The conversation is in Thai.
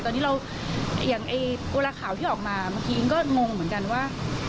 ตอนนี้เราอย่างเวลาข่าวที่ออกมาเมื่อกี้ก็งงเหมือนกันว่า